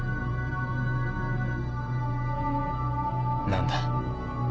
何だ？